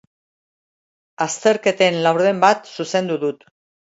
Azterketen laurden bat zuzendu dut.